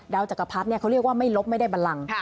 ดาวจักรพรรดิเนี้ยเขาเรียกว่าไม่ลบไม่ได้บันลังค่ะ